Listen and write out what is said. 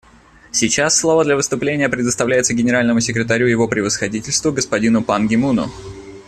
Сейчас слово для выступления предоставляется Генеральному секретарю Его Превосходительству господину Пан Ги Муну.